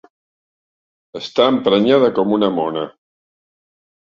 Està emprenyada com una mona.